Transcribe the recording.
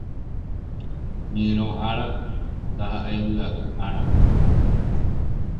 Ñyrõ Ára ndahaʼéi vyʼaʼỹ ára.